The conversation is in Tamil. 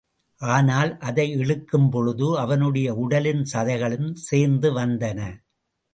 ஆனால், அதை இழுக்கும் பொழுது அவனுடைய உடலின் சதைகளும் சேர்ந்து வந்தன.